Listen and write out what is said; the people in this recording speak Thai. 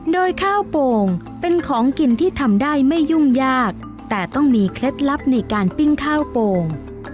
โดยข้าวโป่งเป็นของกินที่ทำได้ไม่ยุ่งยากแต่ต้องมีเคล็ดลับในการปิ้งข้าวโป่ง